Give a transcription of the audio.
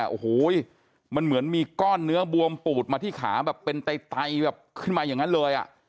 โอ้โหมันเหมือนมีก้อนเนื้อบวมปูดมาที่ขาแบบเป็นไตแบบขึ้นมาอย่างนั้นเลยอ่ะ